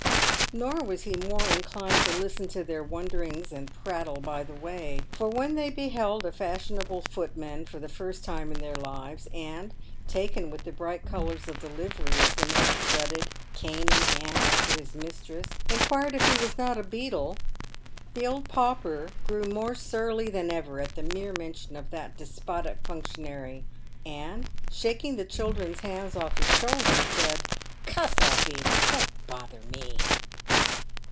Nor was he more inclined to listen to their wonderings and prattle by the way ; for when they beheld a fashionable footman for the first time in their lives, and — taken with the bright colours of the livery, as the man strutted, cane in hand, after his mistress — inquired if he was not a beadle, the old pauper grew more surly than ever at the mere mention of that despotic functionary, and, shaking the children's hands off his shoulders, said, " Cuss all beadles !— don't bother me."